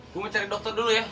gue mau cari dokter dulu ya